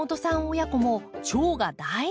親子もチョウが大好き。